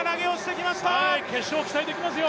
決勝、期待できますよ。